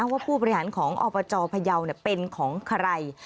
ผู้บริหารของอบจพยาวเป็นของใคร